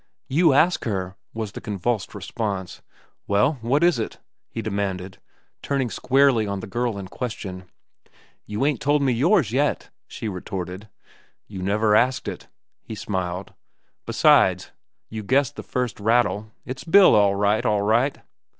"You ask her," was the convulsed response. "Well, what is it?" he demanded, turning squarely on the girl in question. "You ain't told me yours, yet," she retorted. "You never asked it," he smiled. "Besides, you guessed the first rattle. It's Bill, all right, all right."